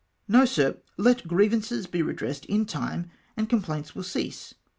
No, Sir, let grievances be redressed in time, and complaints will cease.